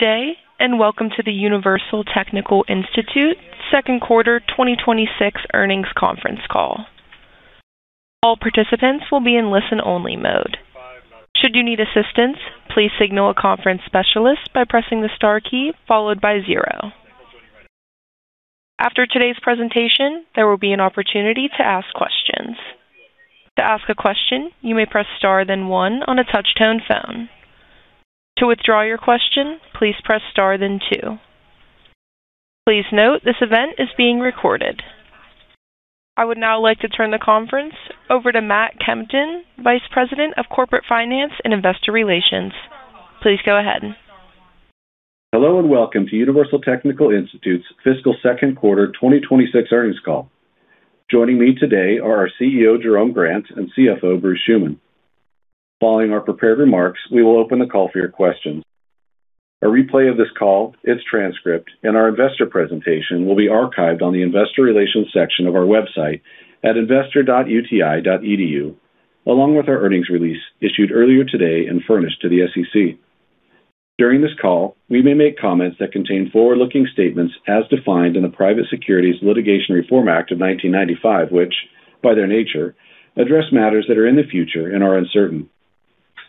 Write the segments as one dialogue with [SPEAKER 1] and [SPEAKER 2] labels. [SPEAKER 1] Good day, welcome to the Universal Technical Institute second quarter 2026 earnings conference call. All participants will be in listen-only mode. Should you need assistance, please signal a conference specialist by pressing the star key followed by zero. After today's presentation, there will be an opportunity to ask questions. To ask a question, you may press star then one on a touch-tone phone. To withdraw your question, please press star then two. Please note this event is being recorded. I would now like to turn the conference over to Matt Kempton, Vice President of Corporate Finance and Investor Relations. Please go ahead.
[SPEAKER 2] Hello, welcome to Universal Technical Institute's fiscal second quarter 2026 earnings call. Joining me today are our CEO, Jerome Grant, and CFO, Bruce Schuman. Following our prepared remarks, we will open the call for your questions. A replay of this call, its transcript, and our investor presentation will be archived on the investor relations section of our website at investor.uti.edu, along with our earnings release issued earlier today and furnished to the SEC. During this call, we may make comments that contain forward-looking statements as defined in the Private Securities Litigation Reform Act of 1995, which, by their nature, address matters that are in the future and are uncertain.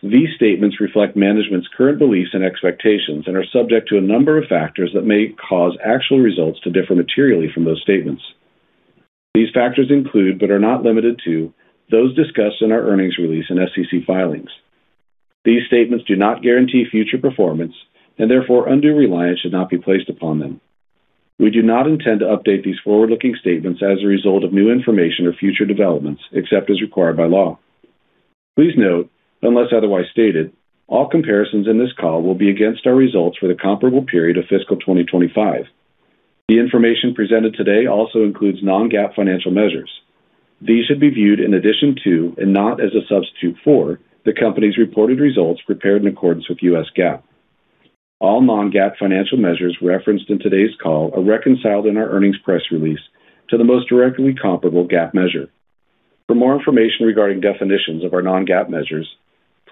[SPEAKER 2] These statements reflect management's current beliefs and expectations and are subject to a number of factors that may cause actual results to differ materially from those statements. These factors include, but are not limited to, those discussed in our earnings release and SEC filings. These statements do not guarantee future performance, and therefore, undue reliance should not be placed upon them. We do not intend to update these forward-looking statements as a result of new information or future developments, except as required by law. Please note, unless otherwise stated, all comparisons in this call will be against our results for the comparable period of fiscal 2025. The information presented today also includes non-GAAP financial measures. These should be viewed in addition to and not as a substitute for the company's reported results prepared in accordance with U.S. GAAP. All non-GAAP financial measures referenced in today's call are reconciled in our earnings press release to the most directly comparable GAAP measure. For more information regarding definitions of our non-GAAP measures,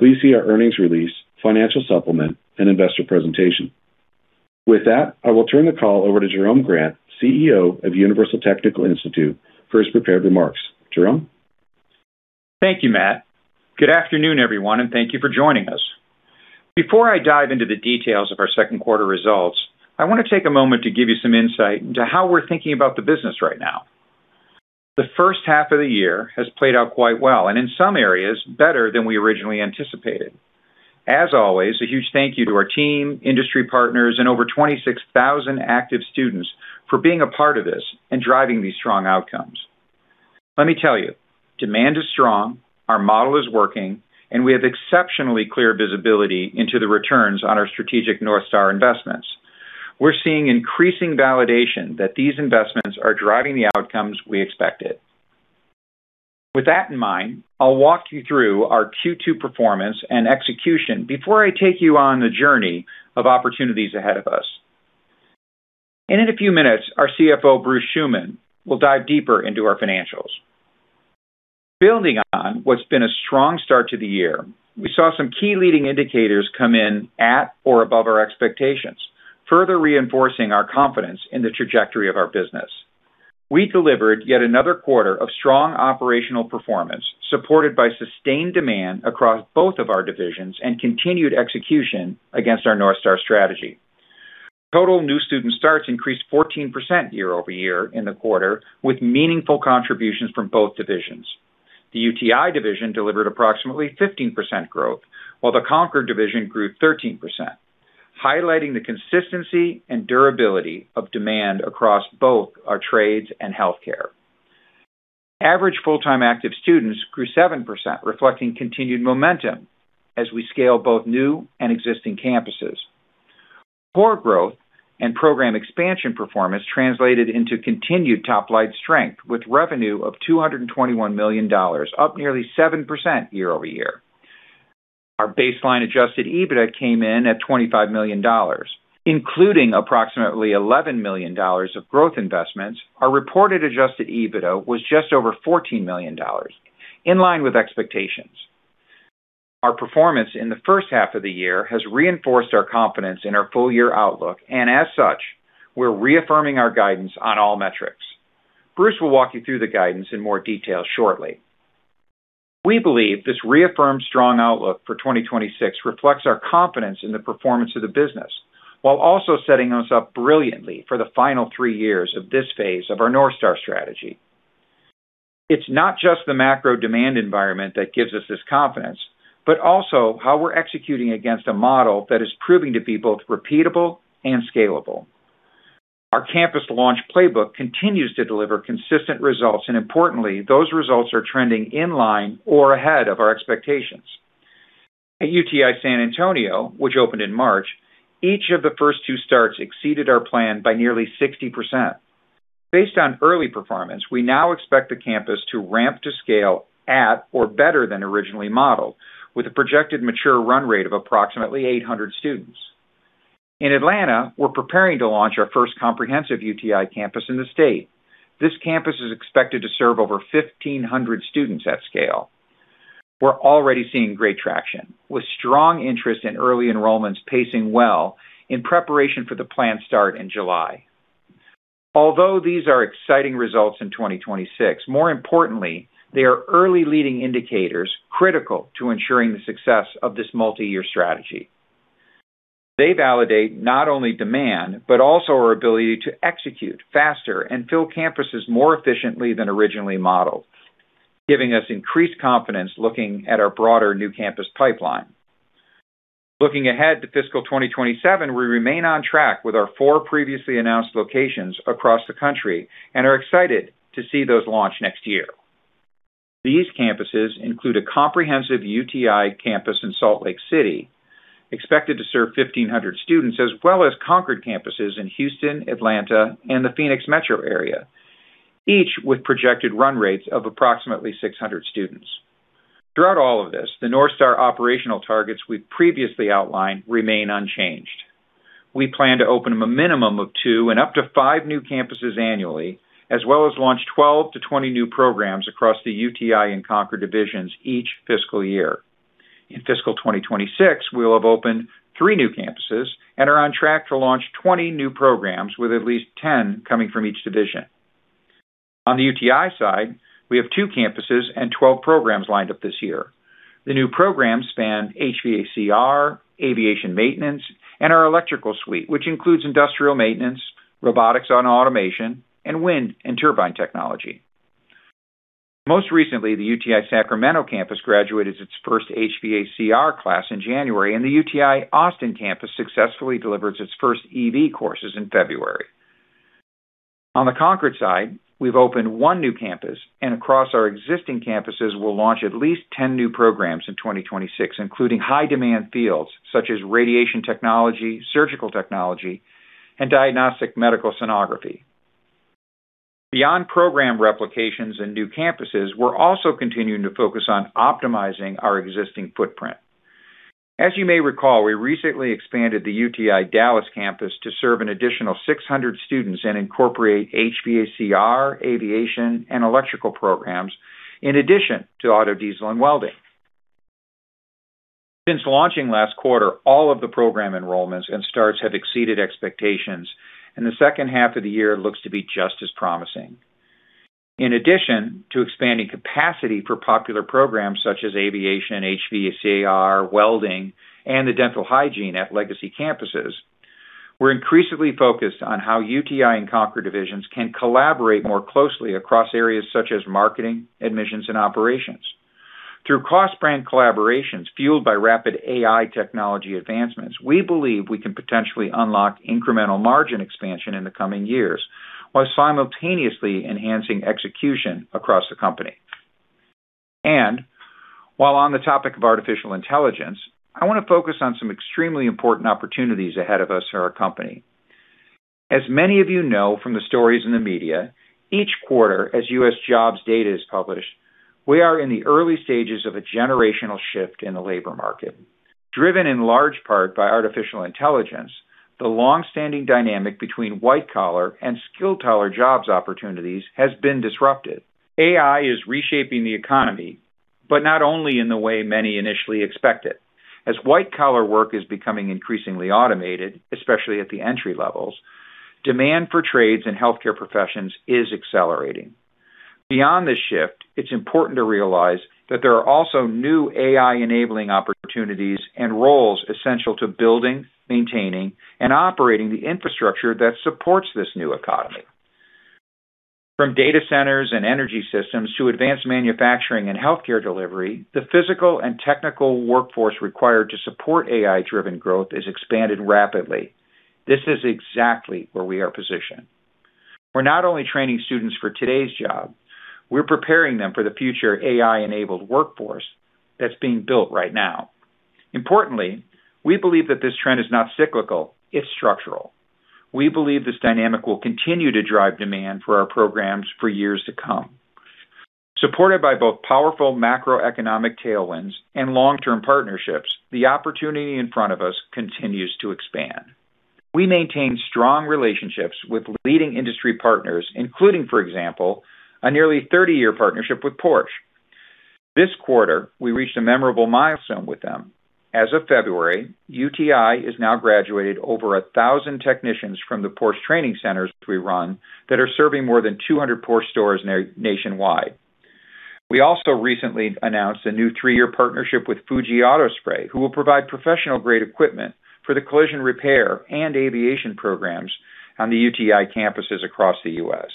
[SPEAKER 2] please see our earnings release, financial supplement, and investor presentation. With that, I will turn the call over to Jerome Grant, CEO of Universal Technical Institute, for his prepared remarks. Jerome?
[SPEAKER 3] Thank you, Matt. Good afternoon, everyone, and thank you for joining us. Before I dive into the details of our second quarter results, I want to take a moment to give you some insight into how we're thinking about the business right now. The first half of the year has played out quite well and, in some areas, better than we originally anticipated. As always, a huge thank you to our team, industry partners, and over 26,000 active students for being a part of this and driving these strong outcomes. Let me tell you, demand is strong, our model is working, and we have exceptionally clear visibility into the returns on our strategic North Star investments. We're seeing increasing validation that these investments are driving the outcomes we expected. With that in mind, I'll walk you through our Q2 performance and execution before I take you on the journey of opportunities ahead of us. In a few minutes, our CFO, Bruce Schuman, will dive deeper into our financials. Building on what's been a strong start to the year, we saw some key leading indicators come in at or above our expectations, further reinforcing our confidence in the trajectory of our business. We delivered yet another quarter of strong operational performance, supported by sustained demand across both of our divisions and continued execution against our North Star strategy. Total new student starts increased 14% year-over-year in the quarter, with meaningful contributions from both divisions. The UTI division delivered approximately 15% growth, while the Concorde division grew 13%, highlighting the consistency and durability of demand across both our trades and healthcare. Average full-time active students grew 7%, reflecting continued momentum as we scale both new and existing campuses. Core growth and program expansion performance translated into continued top-line strength, with revenue of $221 million, up nearly 7% year-over-year. Our baseline Adjusted EBITDA came in at $25 million, including approximately $11 million of growth investments, our reported Adjusted EBITDA was just over $14 million, in line with expectations. Our performance in the first half of the year has reinforced our confidence in our full-year outlook, and as such, we're reaffirming our guidance on all metrics. Bruce will walk you through the guidance in more detail shortly. We believe this reaffirmed strong outlook for 2026 reflects our confidence in the performance of the business while also setting us up brilliantly for the final three years of this phase of our North Star strategy. It's not just the macro demand environment that gives us this confidence, but also how we're executing against a model that is proving to be both repeatable and scalable. Our campus launch playbook continues to deliver consistent results, and importantly, those results are trending in line or ahead of our expectations. At UTI San Antonio, which opened in March, each of the first two starts exceeded our plan by nearly 60%. Based on early performance, we now expect the campus to ramp to scale at or better than originally modeled, with a projected mature run rate of approximately 800 students. In Atlanta, we're preparing to launch our first comprehensive UTI campus in the state. This campus is expected to serve over 1,500 students at scale. We're already seeing great traction, with strong interest in early enrollments pacing well in preparation for the planned start in July. Although these are exciting results in 2026, more importantly, they are early leading indicators critical to ensuring the success of this multi-year strategy. They validate not only demand, but also our ability to execute faster and fill campuses more efficiently than originally modeled, giving us increased confidence looking at our broader new campus pipeline. Looking ahead to fiscal 2027, we remain on track with our four previously announced locations across the country and are excited to see those launch next year. These campuses include a comprehensive UTI campus in Salt Lake City, expected to serve 1,500 students, as well as Concorde campuses in Houston, Atlanta, and the Phoenix metro area, each with projected run rates of approximately 600 students. Throughout all of this, the North Star operational targets we've previously outlined remain unchanged. We plan to open a minimum of two and up to five new campuses annually, as well as launch 12 to 20 new programs across the UTI and Concorde divisions each fiscal year. In fiscal 2026, we'll have opened three new campuses and are on track to launch 20 new programs, with at least 10 coming from each division. On the UTI side, we have two campuses and 12 programs lined up this year. The new programs span HVACR, Aviation Maintenance, and our electrical suite, which includes Industrial Maintenance, robotics and automation, and wind turbine technology. Most recently, the UTI Sacramento campus graduated its first HVACR class in January, and the UTI Austin campus successfully delivered its first EV courses in February. On the Concorde side, we've opened one new campus, and across our existing campuses, we'll launch at least 10 new programs in 2026, including high-demand fields such as Radiologic Technology, Surgical Technology, and Diagnostic Medical Sonography. Beyond program replications and new campuses, we're also continuing to focus on optimizing our existing footprint. As you may recall, we recently expanded the UTI Dallas campus to serve an additional 600 students and incorporate HVACR, Aviation, and electrical programs in addition to auto diesel and welding. Since launching last quarter, all of the program enrollments and starts have exceeded expectations, and the second half of the year looks to be just as promising. In addition to expanding capacity for popular programs such as aviation, HVACR, welding, and the dental hygiene at legacy campuses, we're increasingly focused on how UTI and Concorde divisions can collaborate more closely across areas such as marketing, admissions, and operations. Through cross-brand collaborations fueled by rapid AI technology advancements, we believe we can potentially unlock incremental margin expansion in the coming years while simultaneously enhancing execution across the company. While on the topic of artificial intelligence, I wanna focus on some extremely important opportunities ahead of us for our company. As many of you know from the stories in the media, each quarter as U.S. jobs data is published, we are in the early stages of a generational shift in the labor market. Driven in large part by artificial intelligence, the long-standing dynamic between white-collar and skilled-collar jobs opportunities has been disrupted. AI is reshaping the economy, but not only in the way many initially expect it. As white-collar work is becoming increasingly automated, especially at the entry levels, demand for trades and healthcare professions is accelerating. Beyond this shift, it's important to realize that there are also new AI-enabling opportunities and roles essential to building, maintaining, and operating the infrastructure that supports this new economy. From data centers and energy systems to advanced manufacturing and healthcare delivery, the physical and technical workforce required to support AI-driven growth has expanded rapidly. This is exactly where we are positioned. We're not only training students for today's job, we're preparing them for the future AI-enabled workforce that's being built right now. Importantly, we believe that this trend is not cyclical, it's structural. We believe this dynamic will continue to drive demand for our programs for years to come. Supported by both powerful macroeconomic tailwinds and long-term partnerships, the opportunity in front of us continues to expand. We maintain strong relationships with leading industry partners, including, for example, a nearly 30-year partnership with Porsche. This quarter, we reached a memorable milestone with them. As of February, UTI has now graduated over 1,000 technicians from the Porsche training centers we run that are serving more than 200 Porsche stores nationwide. We also recently announced a new three-year partnership with Fuji Spray Auto, who will provide professional-grade equipment for the collision repair and aviation programs on the UTI campuses across the U.S.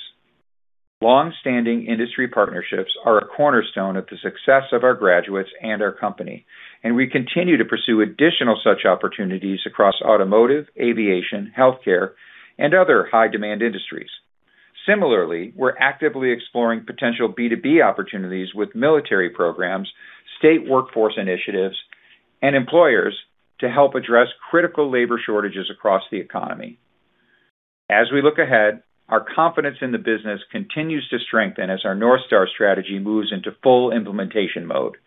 [SPEAKER 3] Long-standing industry partnerships are a cornerstone of the success of our graduates and our company. We continue to pursue additional such opportunities across automotive, aviation, healthcare, and other high-demand industries. Similarly, we're actively exploring potential B2B opportunities with military programs, state workforce initiatives, and employers to help address critical labor shortages across the economy. As we look ahead, our confidence in the business continues to strengthen as our North Star strategy moves into full implementation mode.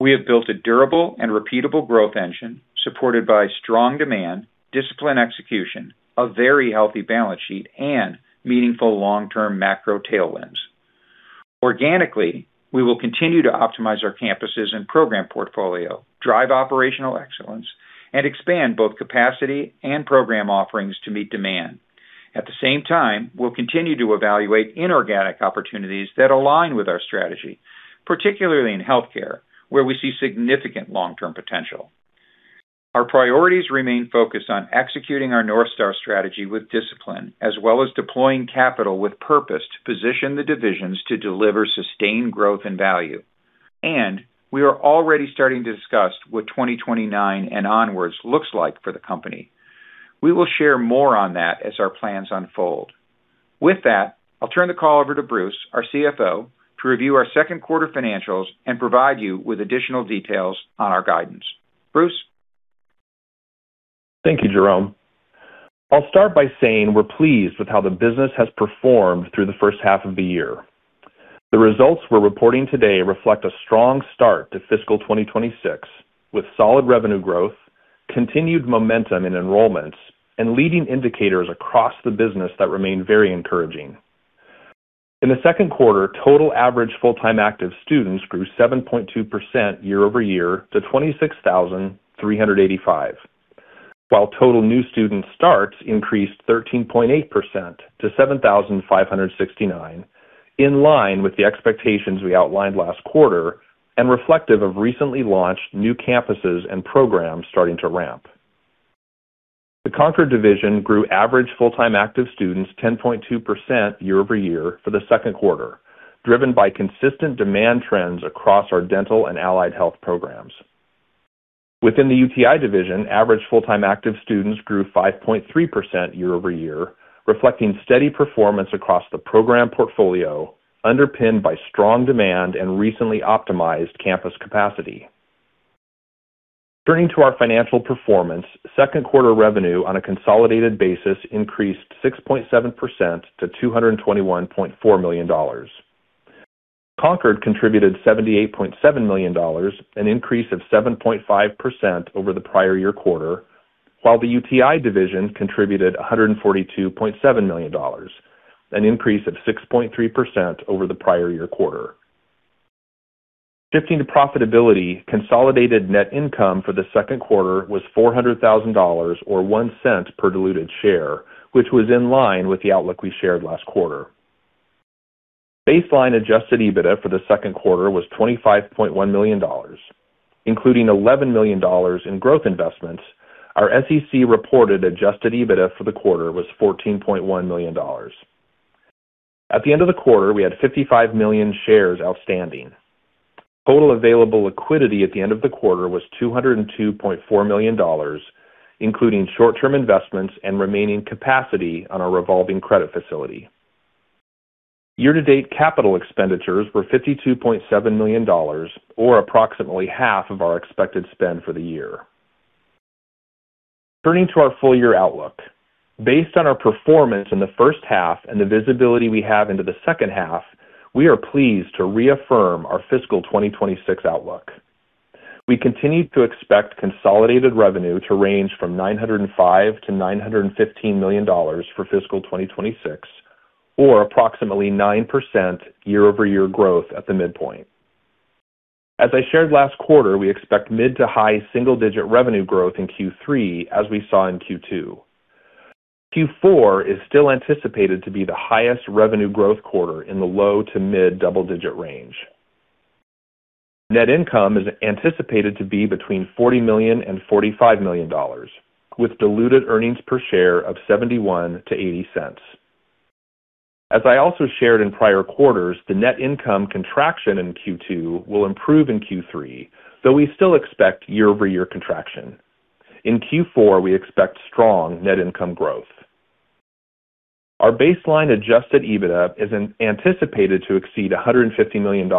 [SPEAKER 3] We have built a durable and repeatable growth engine supported by strong demand, disciplined execution, a very healthy balance sheet, and meaningful long-term macro tailwinds. Organically, we will continue to optimize our campuses and program portfolio, drive operational excellence, and expand both capacity and program offerings to meet demand. At the same time, we'll continue to evaluate inorganic opportunities that align with our strategy, particularly in healthcare, where we see significant long-term potential. Our priorities remain focused on executing our North Star strategy with discipline, as well as deploying capital with purpose to position the divisions to deliver sustained growth and value. We are already starting to discuss what 2029 and onwards looks like for the company. We will share more on that as our plans unfold. With that, I'll turn the call over to Bruce, our CFO, to review our second quarter financials and provide you with additional details on our guidance. Bruce?
[SPEAKER 4] Thank you, Jerome. I'll start by saying we're pleased with how the business has performed through the first half of the year. The results we're reporting today reflect a strong start to fiscal 2026, with solid revenue growth, continued momentum in enrollments, and leading indicators across the business that remain very encouraging. In the second quarter, total average full-time active students grew 7.2% year-over-year to 26,385, while total new student starts increased 13.8% to 7,569, in line with the expectations we outlined last quarter and reflective of recently launched new campuses and programs starting to ramp. The Concorde division grew average full-time active students 10.2% year-over-year for the second quarter, driven by consistent demand trends across our dental and allied health programs. Within the UTI division, average full-time active students grew 5.3% year-over-year, reflecting steady performance across the program portfolio, underpinned by strong demand and recently optimized campus capacity. Turning to our financial performance, second quarter revenue on a consolidated basis increased 6.7% to $221.4 million. Concorde contributed $78.7 million, an increase of 7.5% over the prior year quarter, while the UTI division contributed $142.7 million, an increase of 6.3% over the prior year quarter. Shifting to profitability, consolidated net income for the second quarter was $400,000 or $0.01 per diluted share, which was in line with the outlook we shared last quarter. Baseline Adjusted EBITDA for the second quarter was $25.1 million. Including $11 million in growth investments, our SEC reported Adjusted EBITDA for the quarter was $14.1 million. At the end of the quarter, we had 55 million shares outstanding. Total available liquidity at the end of the quarter was $202.4 million, including short-term investments and remaining capacity on our revolving credit facility. Year-to-date capital expenditures were $52.7 million or approximately half of our expected spend for the year. Turning to our full year outlook. Based on our performance in the first half and the visibility we have into the second half, we are pleased to reaffirm our fiscal 2026 outlook. We continue to expect consolidated revenue to range from $905 million-$915 million for fiscal 2026, or approximately 9% year-over-year growth at the midpoint. As I shared last quarter, we expect mid to high single-digit revenue growth in Q3 as we saw in Q2. Q4 is still anticipated to be the highest revenue growth quarter in the low to mid double-digit range. Net income is anticipated to be between $40 million-$45 million, with diluted earnings per share of $0.71-$0.80. As I also shared in prior quarters, the net income contraction in Q2 will improve in Q3, though we still expect year-over-year contraction. In Q4, we expect strong net income growth. Our baseline Adjusted EBITDA is anticipated to exceed $150 million,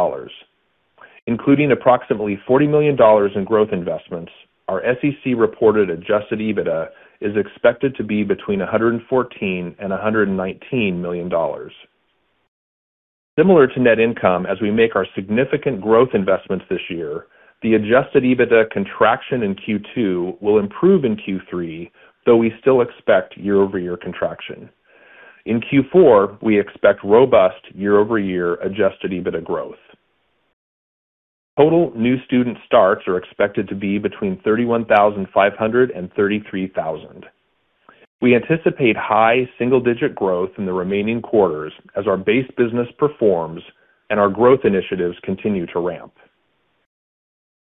[SPEAKER 4] including approximately $40 million in growth investments. Our SEC reported Adjusted EBITDA is expected to be between $114 million-$119 million. Similar to net income, as we make our significant growth investments this year, the Adjusted EBITDA contraction in Q2 will improve in Q3, though we still expect year-over-year contraction. In Q4, we expect robust year-over-year Adjusted EBITDA growth. Total new student starts are expected to be between 31,500 and 33,000. We anticipate high single-digit growth in the remaining quarters as our base business performs and our growth initiatives continue to ramp.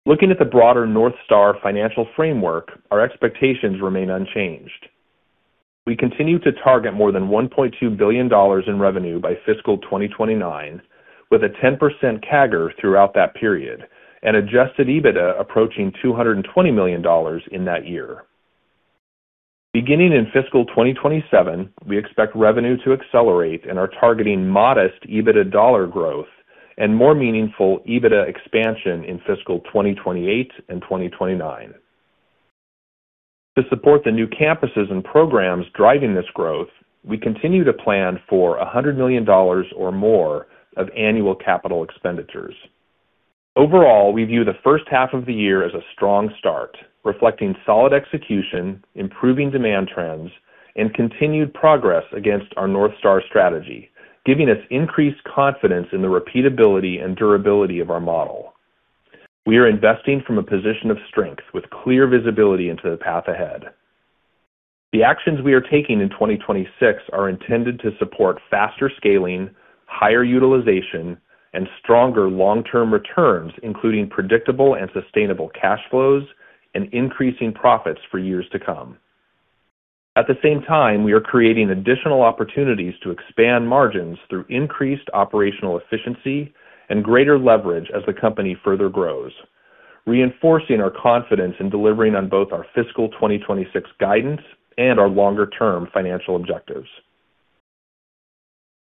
[SPEAKER 4] Looking at the broader North Star financial framework, our expectations remain unchanged. We continue to target more than $1.2 billion in revenue by fiscal 2029, with a 10% CAGR throughout that period and Adjusted EBITDA approaching $220 million in that year. Beginning in fiscal 2027, we expect revenue to accelerate and are targeting modest EBITDA dollar growth and more meaningful EBITDA expansion in fiscal 2028 and 2029. To support the new campuses and programs driving this growth, we continue to plan for $100 million or more of annual capital expenditures. Overall, we view the first half of the year as a strong start, reflecting solid execution, improving demand trends, and continued progress against our North Star strategy, giving us increased confidence in the repeatability and durability of our model. We are investing from a position of strength with clear visibility into the path ahead. The actions we are taking in 2026 are intended to support faster scaling, higher utilization, and stronger long-term returns, including predictable and sustainable cash flows and increasing profits for years to come. At the same time, we are creating additional opportunities to expand margins through increased operational efficiency and greater leverage as the company further grows, reinforcing our confidence in delivering on both our fiscal 2026 guidance and our longer-term financial objectives.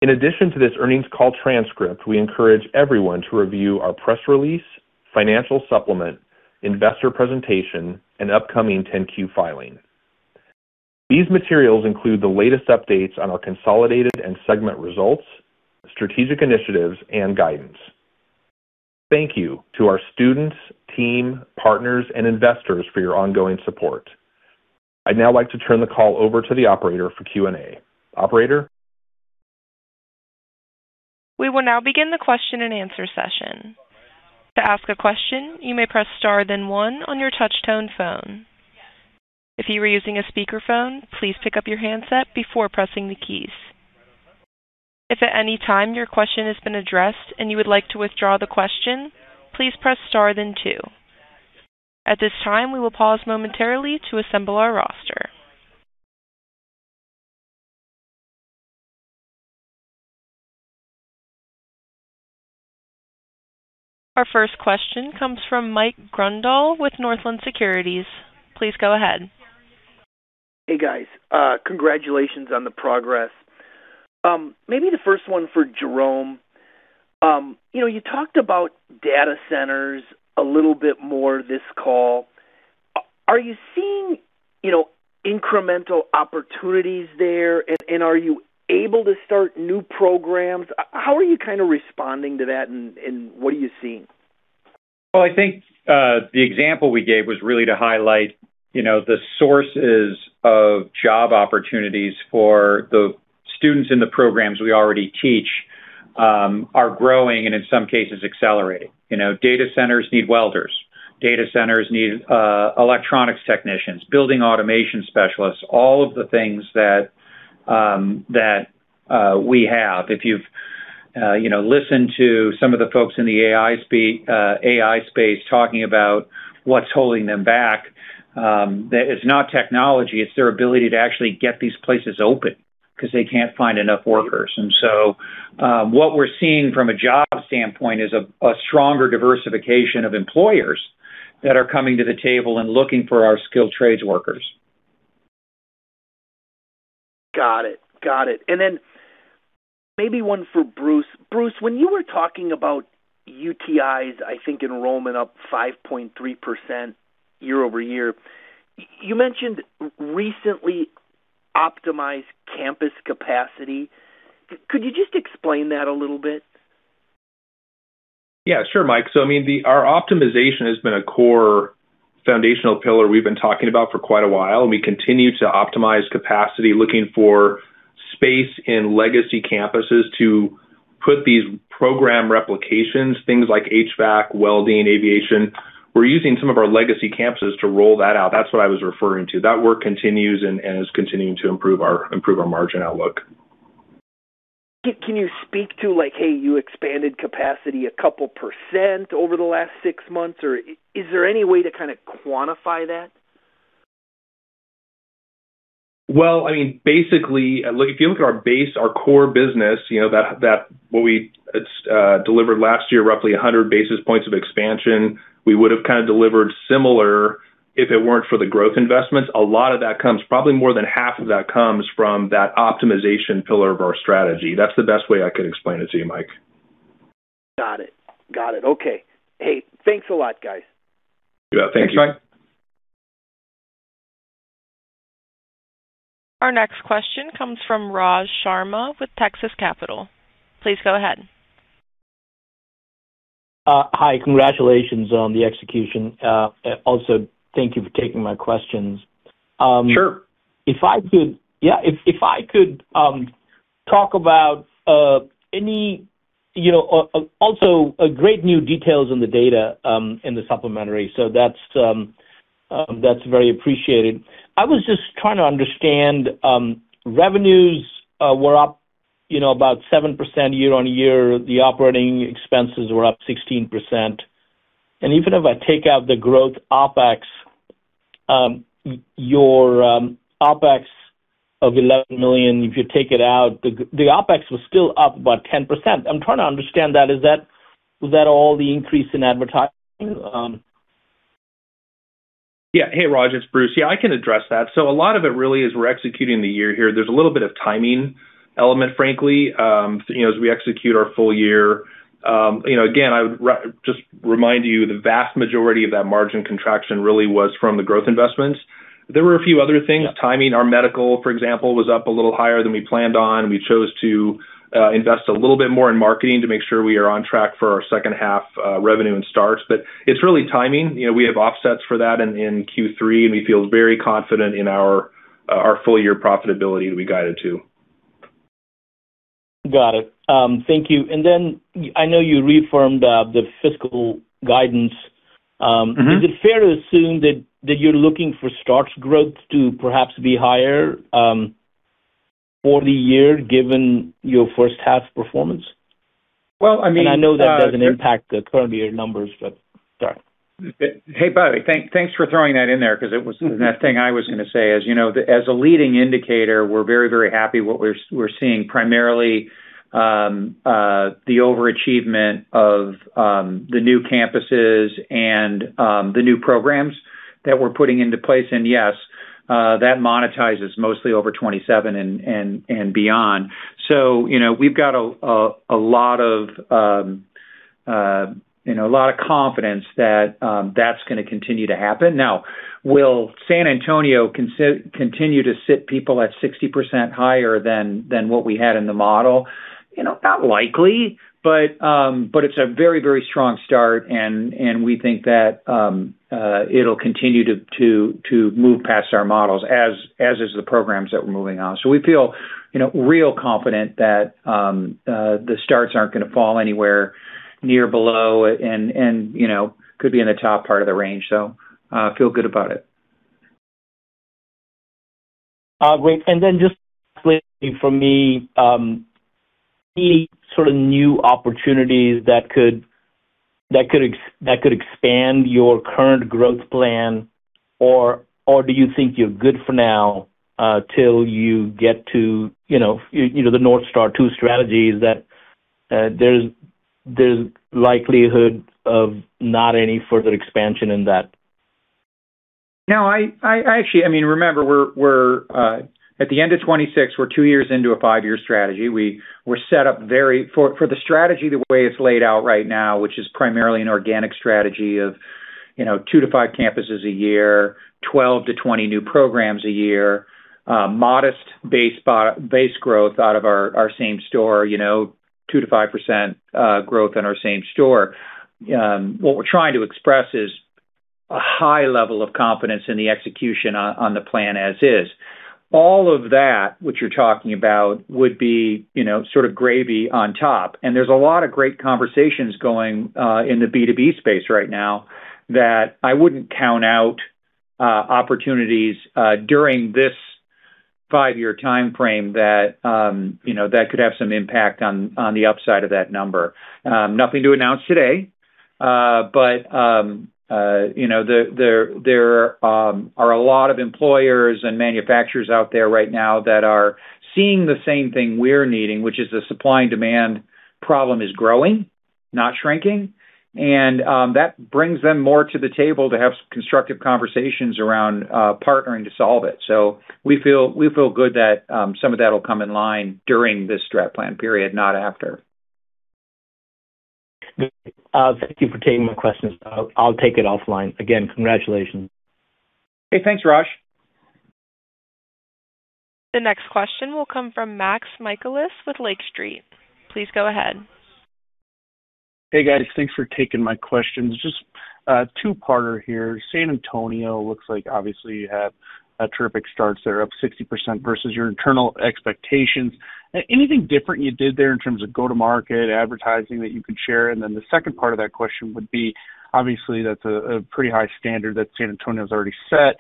[SPEAKER 4] In addition to this earnings call transcript, we encourage everyone to review our press release, financial supplement, investor presentation, and upcoming 10-Q filing. These materials include the latest updates on our consolidated and segment results, strategic initiatives, and guidance. Thank you to our students, team, partners, and investors for your ongoing support. I'd now like to turn the call over to the operator for Q&A. Operator?
[SPEAKER 1] We will now begin the question-and-answer session. To ask a question, you may press star then one on your touch-tone phone. If you are using a speakerphone, please pick up your handset before pressing the keys. If at any time your question has been addressed and you would like to withdraw the question, please press star then two. At this time, we will pause momentarily to assemble our roster. Our first question comes from Michael Grondahl with Northland Securities. Please go ahead.
[SPEAKER 5] Hey, guys. Congratulations on the progress. Maybe the first one for Jerome. You know, you talked about data centers a little bit more this call. Are you seeing, you know, incremental opportunities there? Are you able to start new programs? How are you kinda responding to that, and what are you seeing?
[SPEAKER 3] I think, the example we gave was really to highlight, you know, the sources of job opportunities for the students in the programs we already teach, are growing and in some cases accelerating. Data centers need welders. Data centers need electronics technicians, building automation specialists, all of the things that we have. If you've, you know, listened to some of the folks in the AI space talking about what's holding them back, that it's not technology, it's their ability to actually get these places open 'cause they can't find enough workers. What we're seeing from a job standpoint is a stronger diversification of employers that are coming to the table and looking for our skilled trades workers.
[SPEAKER 5] Got it. Got it. Then maybe one for Bruce. Bruce, when you were talking about UTI, I think enrollment up 5.3% year-over-year, you mentioned recently optimized campus capacity. Could you just explain that a little bit?
[SPEAKER 4] Yeah, sure, Michael Grondahl. I mean, our optimization has been a core foundational pillar we've been talking about for quite a while, and we continue to optimize capacity, looking for space in legacy campuses to put these program replications, things like HVAC, welding, aviation. We're using some of our legacy campuses to roll that out. That's what I was referring to. That work continues and is continuing to improve our margin outlook.
[SPEAKER 5] Can you speak to like, hey, you expanded capacity a couple percent over the last six months? Is there any way to kinda quantify that?
[SPEAKER 4] Well, I mean, basically, if you look at our base, our core business, you know, what we delivered last year, roughly 100 basis points of expansion, we would have kinda delivered similar if it weren't for the growth investments. A lot of that comes, probably more than half of that comes from that optimization pillar of our strategy. That's the best way I could explain it to you, Mike.
[SPEAKER 5] Got it. Got it. Okay. Hey, thanks a lot, guys.
[SPEAKER 4] You bet. Thank you.
[SPEAKER 1] Our next question comes from Raj Sharma with Texas Capital. Please go ahead.
[SPEAKER 6] Hi. Congratulations on the execution. Also thank you for taking my questions.
[SPEAKER 3] Sure.
[SPEAKER 6] If I could talk about any, you know, also, great new details on the data in the supplementary. That's very appreciated. I was just trying to understand, revenues were up, you know, about 7% year-on-year. The operating expenses were up 16%. Even if I take out the growth OpEx, your OpEx of $11 million, if you take it out, the OpEx was still up about 10%. I'm trying to understand that. Is that all the increase in advertising?
[SPEAKER 4] Yeah. Hey, Raj, it's Bruce. Yeah, I can address that. A lot of it really is we're executing the year here. There's a little bit of timing element, frankly. You know, as we execute our full year. You know, again, I would re-just remind you the vast majority of that margin contraction really was from the growth investments. There were a few other things. Timing, our medical, for example, was up a little higher than we planned on. We chose to invest a little bit more in marketing to make sure we are on track for our second half revenue and starts. It's really timing. You know, we have offsets for that in Q3, and we feel very confident in our full-year profitability that we guided to.
[SPEAKER 6] Got it. Thank you. I know you reaffirmed the fiscal guidance. Is it fair to assume that you're looking for starts growth to perhaps be higher for the year given your first half performance?
[SPEAKER 3] Well, I mean.
[SPEAKER 6] I know that doesn't impact the current year numbers, but sorry.
[SPEAKER 3] Hey, Raj, thanks for throwing that in there. The next thing I was gonna say is, you know, as a leading indicator, we're very happy what we're seeing, primarily, the overachievement of the new campuses and the new programs that we're putting into place. Yes, that monetizes mostly over 27 and beyond. You know, we've got a lot of confidence that's gonna continue to happen. Will San Antonio continue to sit people at 60% higher than what we had in the model? You know, not likely, but it's a very strong start, and we think that it'll continue to move past our models as is the programs that we're moving on. We feel, you know, real confident that the starts aren't gonna fall anywhere near below and, you know, could be in the top part of the range. Feel good about it.
[SPEAKER 6] Great. Just lastly from me, any sort of new opportunities that could expand your current growth plan? Or do you think you're good for now, till you get to, you know, the North Star two strategies that there's likelihood of not any further expansion in that?
[SPEAKER 3] No, I actually I mean, remember, we're at the end of 2026, we're two years into a five-year strategy. We're set up for the strategy, the way it's laid out right now, which is primarily an organic strategy of, you know, two to five campuses a year, 12-20 new programs a year, modest base growth out of our same store, you know, 2%-5% growth in our same store. What we're trying to express is a high level of confidence in the execution on the plan as is. All of that, what you're talking about, would be, you know, sort of gravy on top. There's a lot of great conversations going in the B2B space right now that I wouldn't count out opportunities during this five-year timeframe that, you know, that could have some impact on the upside of that number. Nothing to announce today, but, you know, there are a lot of employers and manufacturers out there right now that are seeing the same thing we're needing, which is the supply and demand problem is growing, not shrinking. That brings them more to the table to have constructive conversations around partnering to solve it. We feel good that some of that'll come in line during this strat plan period, not after.
[SPEAKER 6] Great. Thank you for taking my questions. I'll take it offline. Again, congratulations.
[SPEAKER 3] Hey, thanks, Raj.
[SPEAKER 1] The next question will come from Max Michaelis with Lake Street. Please go ahead.
[SPEAKER 7] Hey, guys. Thanks for taking my questions. Just a two-parter here. San Antonio looks like obviously you have a terrific start. They're up 60% versus your internal expectations. Anything different you did there in terms of go-to-market, advertising that you could share? The second part of that question would be, obviously, that's a pretty high standard that San Antonio's already set,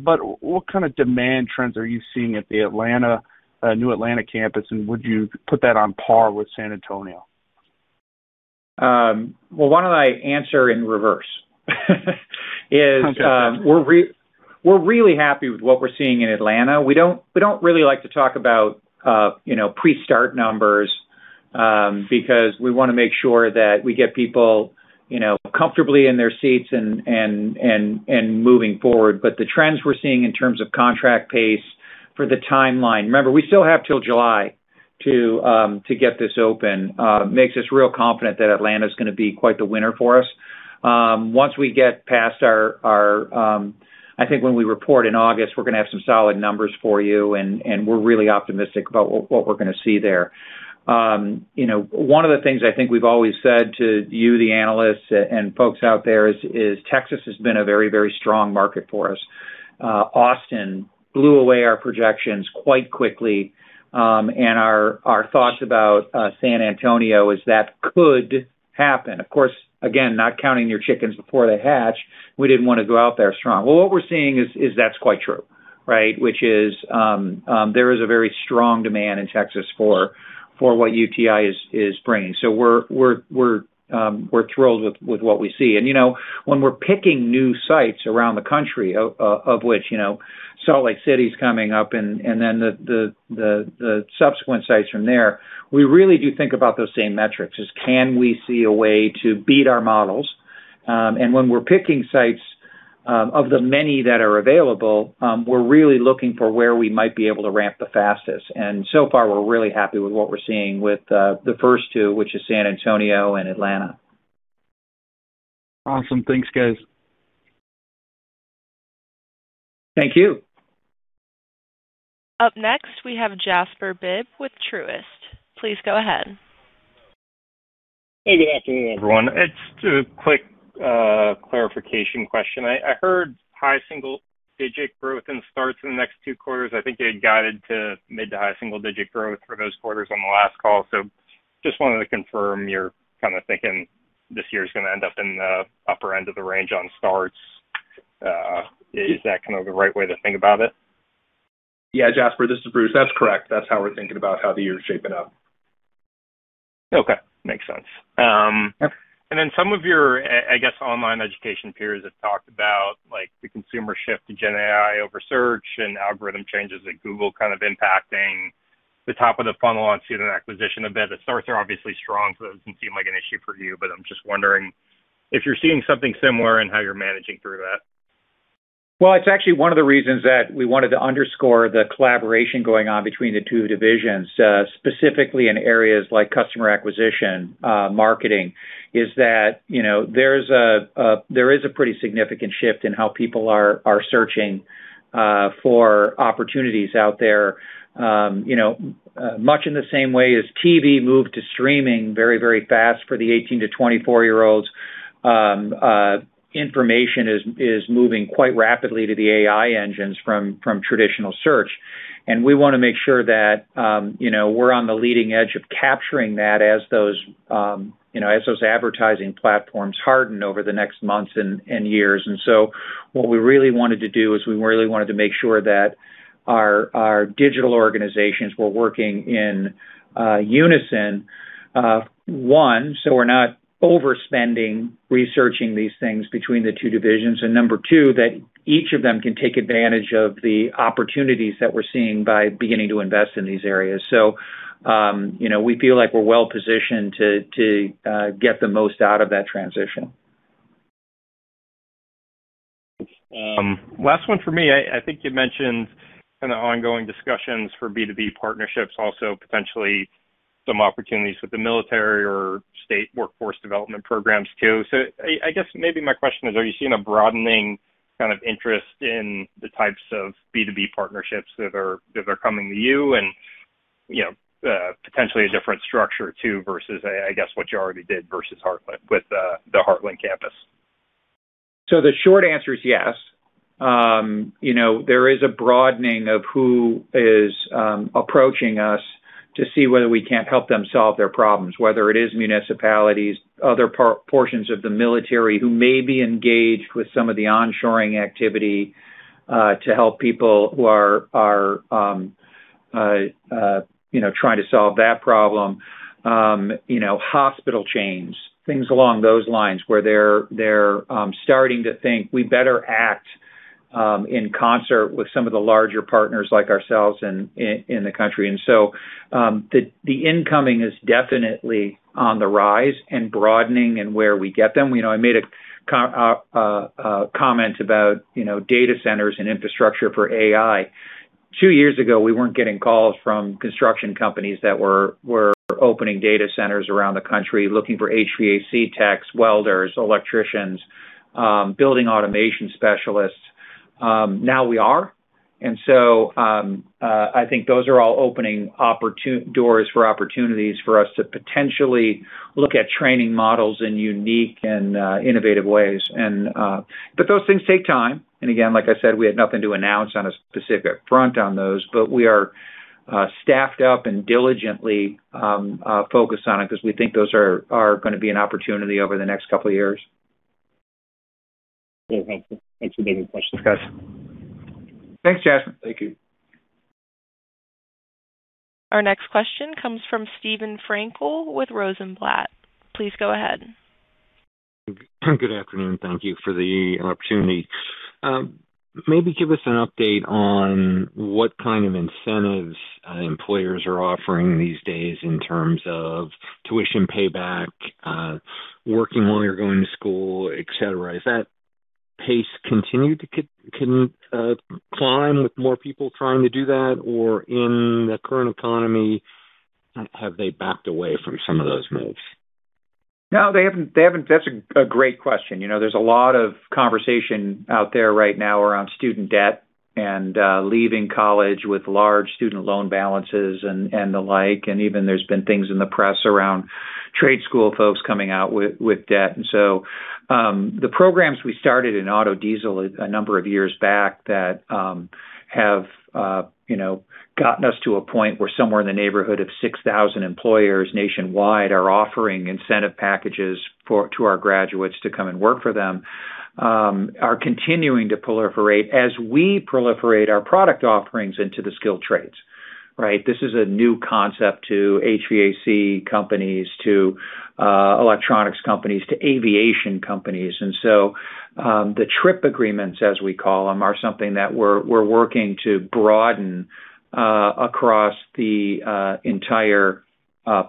[SPEAKER 7] but what kind of demand trends are you seeing at the Atlanta, new Atlanta campus, and would you put that on par with San Antonio?
[SPEAKER 3] Well, why don't I answer in reverse?
[SPEAKER 7] Okay.
[SPEAKER 3] We're really happy with what we're seeing in Atlanta. We don't, we don't really like to talk about, you know, pre-start numbers, because we wanna make sure that we get people, you know, comfortably in their seats and moving forward. The trends we're seeing in terms of contract pace for the timeline, remember, we still have till July to get this open, makes us real confident that Atlanta's gonna be quite the winner for us. Once we get past our, I think when we report in August, we're gonna have some solid numbers for you, and we're really optimistic about what we're gonna see there. You know, one of the things I think we've always said to you, the analysts and folks out there is Texas has been a very, very strong market for us. Austin blew away our projections quite quickly, and our thoughts about San Antonio is that could happen. Of course, again, not counting your chickens before they hatch. We didn't wanna go out there strong. Well, what we're seeing is that's quite true, right? Which is, there is a very strong demand in Texas for what UTI is bringing. We're thrilled with what we see. You know, when we're picking new sites around the country, of which, you know, Salt Lake City is coming up and then the subsequent sites from there, we really do think about those same metrics, is can we see a way to beat our models? When we're picking sites. Of the many that are available, we're really looking for where we might be able to ramp the fastest. So far, we're really happy with what we're seeing with, the first two, which is San Antonio and Atlanta.
[SPEAKER 7] Awesome. Thanks, guys.
[SPEAKER 3] Thank you.
[SPEAKER 1] Up next, we have Jasper Bibb with Truist. Please go ahead.
[SPEAKER 8] Hey, good afternoon, everyone. It's just a quick clarification question. I heard high single digit growth in starts in the next 2 quarters. I think you had guided to mid to high single digit growth for those quarters on the last call. Just wanted to confirm you're kind of thinking this year is going to end up in the upper end of the range on starts. Is that kind of the right way to think about it?
[SPEAKER 4] Yeah, Jasper, this is Bruce. That's correct. That's how we're thinking about how the year is shaping up.
[SPEAKER 8] Okay. Makes sense.
[SPEAKER 4] Yep.
[SPEAKER 8] Some of your, I guess, online education peers have talked about, like, the consumer shift to GenAI over search and algorithm changes at Google kind of impacting the top of the funnel on student acquisition a bit. The starts are obviously strong, so it doesn't seem like an issue for you, but I'm just wondering if you're seeing something similar and how you're managing through that.
[SPEAKER 3] Well, it's actually one of the reasons that we wanted to underscore the collaboration going on between the two divisions, specifically in areas like customer acquisition, marketing, is that, you know, there is a pretty significant shift in how people are searching for opportunities out there. You know, much in the same way as TV moved to streaming very, very fast for the 18 to 24-year-olds, information is moving quite rapidly to the AI engines from traditional search. We wanna make sure that, you know, we're on the leading edge of capturing that as those, you know, as those advertising platforms harden over the next months and years. What we really wanted to do is we really wanted to make sure that our digital organizations were working in unison, one, so we're not overspending researching these things between the two divisions. Number two, that each of them can take advantage of the opportunities that we're seeing by beginning to invest in these areas. You know, we feel like we're well-positioned to get the most out of that transition.
[SPEAKER 8] Last one for me. I think you mentioned kinda ongoing discussions for B2B partnerships, also potentially some opportunities with the military or state workforce development programs too. I guess maybe my question is, are you seeing a broadening kind of interest in the types of B2B partnerships that are coming to you and, you know, potentially a different structure too versus, I guess, what you already did versus Heartland with the Heartland Campus?
[SPEAKER 3] The short answer is yes. You know, there is a broadening of who is approaching us to see whether we can't help them solve their problems, whether it is municipalities, other portions of the military who may be engaged with some of the onshoring activity to help people who are, you know, trying to solve that problem. You know, hospital chains, things along those lines where they're starting to think we better act in concert with some of the larger partners like ourselves in the country. The incoming is definitely on the rise and broadening in where we get them. You know, I made a comment about, you know, data centers and infrastructure for AI. Two years ago, we weren't getting calls from construction companies that were opening data centers around the country looking for HVAC techs, welders, electricians, building automation specialists. Now we are. I think those are all opening doors for opportunities for us to potentially look at training models in unique and innovative ways. Those things take time. Again, like I said, we had nothing to announce on a specific front on those, but we are staffed up and diligently focused on it 'cause we think those are gonna be an opportunity over the next couple of years.
[SPEAKER 8] Yeah. Thank you. Thanks for taking the question. Thanks, guys.
[SPEAKER 4] Thanks, Jasper.
[SPEAKER 8] Thank you.
[SPEAKER 1] Our next question comes from Steven Frankel with Rosenblatt. Please go ahead.
[SPEAKER 9] Good afternoon. Thank you for the opportunity. Maybe give us an update on what kind of incentives employers are offering these days in terms of tuition payback, working while you're going to school, et cetera. Has that pace continued to climb with more people trying to do that, or in the current economy, have they backed away from some of those moves?
[SPEAKER 3] No, they haven't, they haven't. That's a great question. You know, there's a lot of conversation out there right now around student debt and leaving college with large student loan balances and the like, and even there's been things in the press around trade school folks coming out with debt. The programs we started in auto diesel a number of years back that have, you know, gotten us to a point where somewhere in the neighborhood of 6,000 employers nationwide are offering incentive packages to our graduates to come and work for them, are continuing to proliferate as we proliferate our product offerings into the skilled trades, right? This is a new concept to HVAC companies, to electronics companies, to aviation companies. The TRIP agreements, as we call them, are something that we're working to broaden, across the entire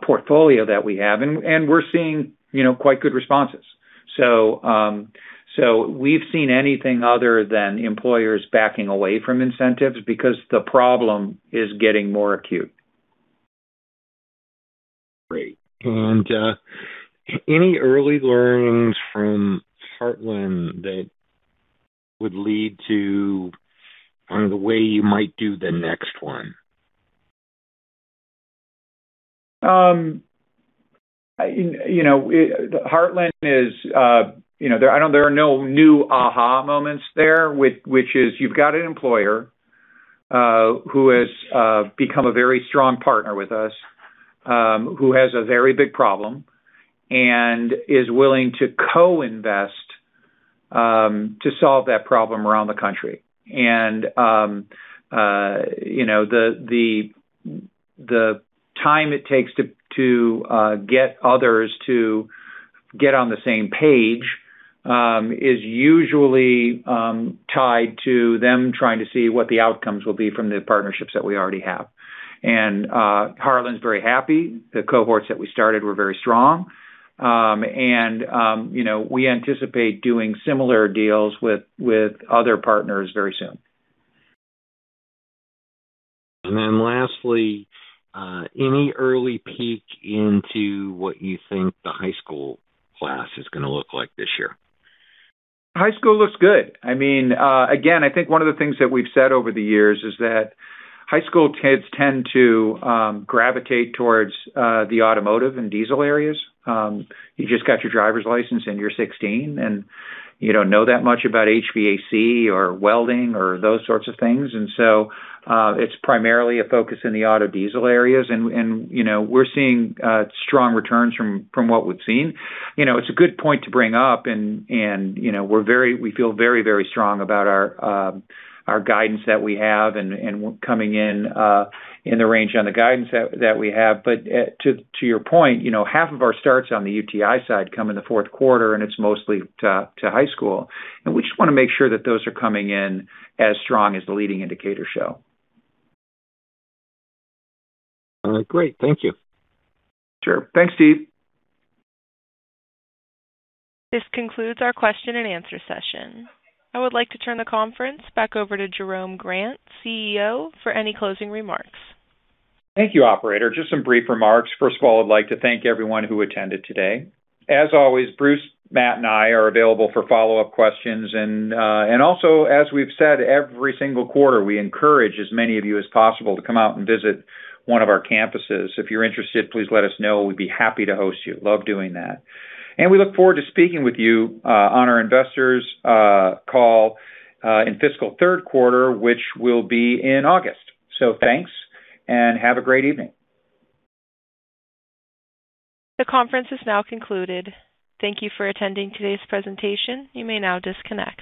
[SPEAKER 3] portfolio that we have, and we're seeing, you know, quite good responses. We've seen anything other than employers backing away from incentives because the problem is getting more acute.
[SPEAKER 9] Great. Any early learnings from Heartland that would lead to kind of the way you might do the next one?
[SPEAKER 3] You know, Heartland is, you know there are no new aha moments there, which is you've got an employer, who has become a very strong partner with us, who has a very big problem and is willing to co-invest, to solve that problem around the country. You know, the time it takes to get others to get on the same page is usually tied to them trying to see what the outcomes will be from the partnerships that we already have. Heartland's very happy. The cohorts that we started were very strong. You know, we anticipate doing similar deals with other partners very soon.
[SPEAKER 9] Lastly, any early peek into what you think the high school class is gonna look like this year?
[SPEAKER 3] High school looks good. I mean, again, I think one of the things that we've said over the years is that high school kids tend to gravitate towards the automotive and diesel areas. You just got your driver's license, and you're 16, and you don't know that much about HVAC or welding or those sorts of things. It's primarily a focus in the auto diesel areas. You know, we're seeing strong returns from what we've seen. You know, it's a good point to bring up, you know, we feel very strong about our guidance that we have and coming in in the range on the guidance that we have. To your point, you know, half of our starts on the UTI side come in the fourth quarter, and it's mostly to high school. We just wanna make sure that those are coming in as strong as the leading indicators show.
[SPEAKER 9] All right, great. Thank you.
[SPEAKER 3] Sure. Thanks, Steve.
[SPEAKER 1] This concludes our question and answer session. I would like to turn the conference back over to Jerome Grant, CEO, for any closing remarks.
[SPEAKER 3] Thank you, operator. Just some brief remarks. First of all, I'd like to thank everyone who attended today. As always, Bruce, Matt, and I are available for follow-up questions. Also, as we've said, every single quarter, we encourage as many of you as possible to come out and visit one of our campuses. If you're interested, please let us know. We'd be happy to host you. Love doing that. We look forward to speaking with you on our investors call in fiscal third quarter, which will be in August. Thanks. Have a great evening.
[SPEAKER 1] The conference is now concluded. Thank you for attending today's presentation. You may now disconnect.